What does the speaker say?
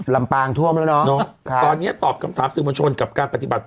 ลำปางท่วมแล้วเนอะค่ะตอนเนี้ยตอบคำถามสื่อมวลชนกับการปฏิบัติ